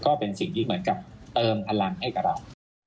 ก็เป็นสิ่งที่เหมือนกับเติมพลังให้กับเรา